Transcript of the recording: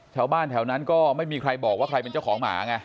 ชาวบ้านแถวนั้นก็ไม่มีใครบอกว่าใครเป็นเจ้าของหมาไง